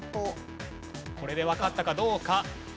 これでわかったかどうか。